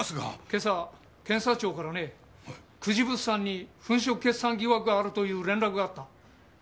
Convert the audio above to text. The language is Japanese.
今朝警察庁からね久慈物産に粉飾決算疑惑があるという連絡があった。